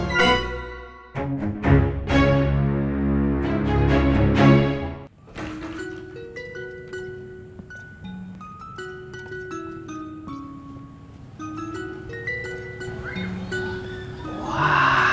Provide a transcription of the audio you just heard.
masih baik baik aja